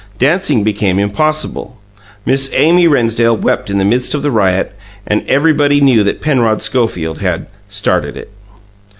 Dancing became impossible; Miss Amy Rennsdale wept in the midst of the riot, and everybody knew that Penrod Schofield had "started it".